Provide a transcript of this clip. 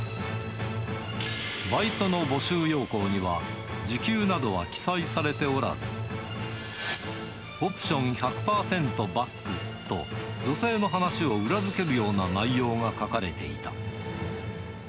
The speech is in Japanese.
バイトの募集要項には時給などは記載されておらず、オプション１００％バックと、女性の話を裏付けるような内容が書かれていた。